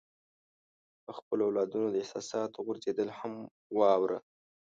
د خپلو اولادونو د احساساتو غورځېدل هم واوره.